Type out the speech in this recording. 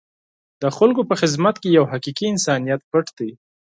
د خلکو په خدمت کې یو حقیقي انسانیت پټ دی.